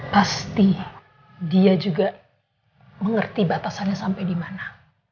pasti dia juga mengerti batasannya sampai di mana